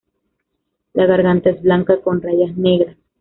La garganta es blanca con rayas negras.